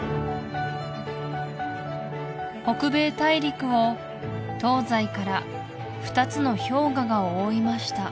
北米大陸を東西から二つの氷河が覆いました